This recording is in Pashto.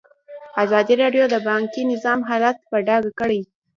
ازادي راډیو د بانکي نظام حالت په ډاګه کړی.